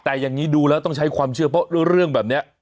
แต่อย่างนี้ดูแล้วต้องใช้ความเชื่อเพราะเรื่องแบบนี้